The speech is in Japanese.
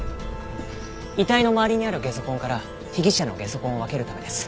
遺体の周りにあるゲソ痕から被疑者のゲソ痕を分けるためです。